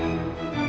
aku mau jalan